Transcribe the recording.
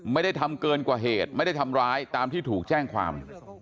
ไม่ได้ทำเกินกว่าเหตุไม่ได้ทำร้ายตามที่ถูกแจ้งความ